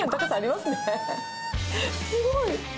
すごい。